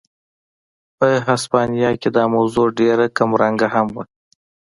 په هسپانیا کې دا موضوع ډېره کمرنګه هم وه.